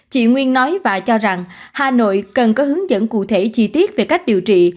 chị nguyên nói và cho rằng hà nội cần có hướng dẫn cụ thể chi tiết về cách điều trị